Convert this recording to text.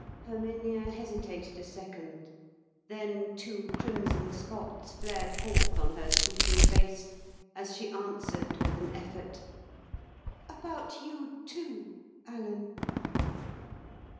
Herminia hesitated a second. Then two crimson spots flared forth on her speaking face, as she answered with an effort, "About you too, Alan."